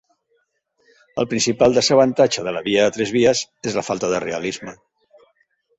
El principal desavantatge de la via de tres vies és la falta de realisme.